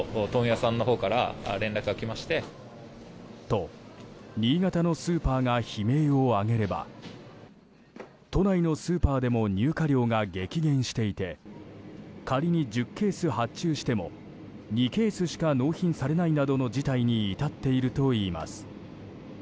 と、新潟のスーパーが悲鳴を上げれば都内のスーパーでも入荷量が激減していて仮に１０ケース発注しても２ケースしか納品されないなどの事態に至っているといいます。